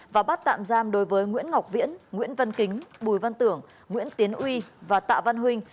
và bắt tạm giam đối với nguyễn ngọc viễn nguyễn văn kính bùi văn tưởng nguyễn tiến uy và tạ văn huynh